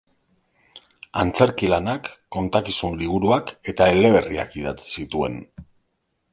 Antzerki-lanak, kontakizun-liburuak eta eleberriak idatzi zituen.